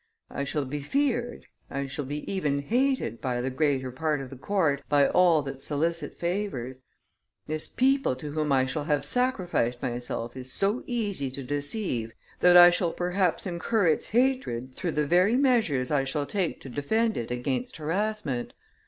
I shall be feared, shall be even hated by the greater part of the court, by all that solicit favors. ... This people to whom I shall have sacrificed myself is so easy to deceive, that I shall perhaps incur its hatred through the very measures I shall take to defend it against harassment.